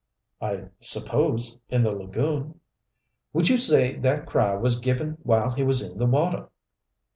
"I suppose in the lagoon." "Would you say that cry was given while he was in the water?"